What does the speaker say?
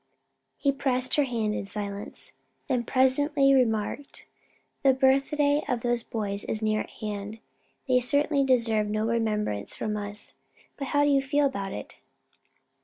He pressed her hand in silence; then presently remarked, "The birthday of those boys is near at hand. They certainly deserve no remembrance from us; but how do you feel about it?"